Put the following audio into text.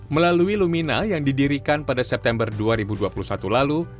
melalui lumina yang didirikan pada september dua ribu dua puluh satu lalu